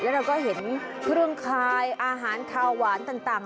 แล้วเราก็เห็นเครื่องคายอาหารคาวหวานต่าง